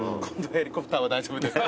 ヘリコプター大丈夫ですか？